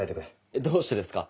えっどうしてですか？